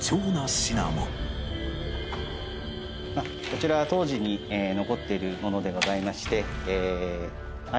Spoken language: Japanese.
こちらは当時に残っているものでございまして。